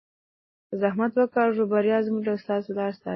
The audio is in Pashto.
که زحمت وکاږو بریا زموږ او ستاسو لار څاري.